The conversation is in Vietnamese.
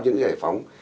những cái giải phóng